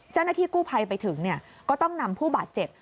เจ้าหน้าที่กู้ภัยไปถึงก็ต้องนำผู้บาดเจ็บ